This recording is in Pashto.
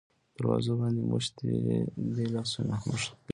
دروازو باندې موښتي دی لاسونه